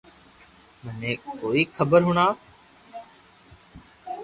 مني ڪوئي خبر ھڻاوُ